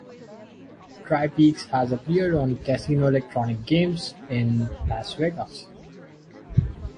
TriPeaks has appeared on casino electronic games in Las Vegas.